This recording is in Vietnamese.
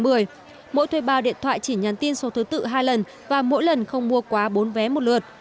mỗi thuê bao điện thoại chỉ nhắn tin số thứ tự hai lần và mỗi lần không mua quá bốn vé một lượt